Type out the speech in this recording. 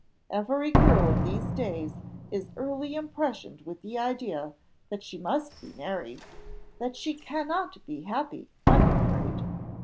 Every girl in these days is early impressed with the idea that she must be married, that she cannot be happy unmarried.